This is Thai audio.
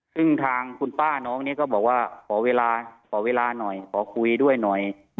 ซึ่งทางคุณป้าน้องเนี่ยก็บอกว่าขอเวลาขอเวลาหน่อยขอคุยด้วยหน่อย